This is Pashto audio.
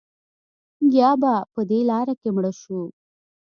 یا به په دې لاره کې مړه شو.